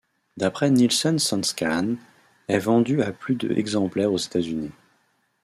D'après Nielsen Soundscan, ' est vendu à plus de exemplaires aux États-Unis.